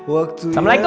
waktu yang berhenti